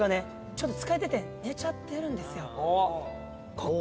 ちょっと疲れてて寝ちゃってるんですよ。